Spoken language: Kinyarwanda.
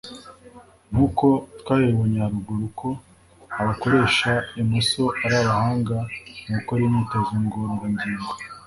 Nkuko twabibonye haruguru ko abakoresha imoso ari abahanga mu gukora imyitozo ngororangingo